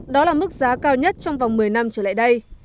đó là mức giá cao nhất trong vòng một mươi năm trở lại đây